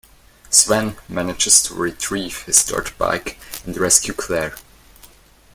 Swann manages to retrieve his dirtbike and rescue Claire.